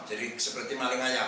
jadi seperti maling ayam